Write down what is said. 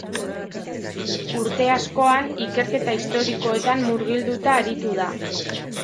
Urte askoan, ikerketa historikoetan murgilduta aritu da.